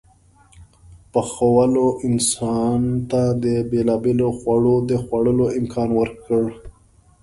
پخولو انسان ته د بېلابېلو خوړو د خوړلو امکان ورکړ.